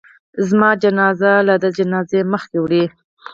زما جنازه د ده له جنازې مخکې وړئ.